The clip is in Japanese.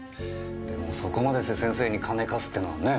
でもそこまでして先生に金貸すってのはね。